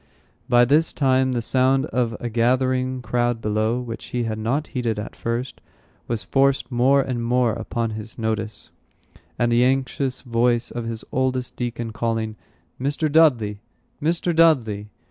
By this time the sound of a gathering crowd below, which he had not heeded at first, was forced more and more upon his notice; and the anxious voice of his oldest deacon calling, "Mr. Dudley! Mr. Dudley!"